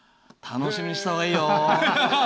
楽しみにしてたほうがいいよ。